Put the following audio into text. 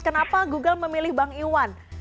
kenapa google memilih bang iwan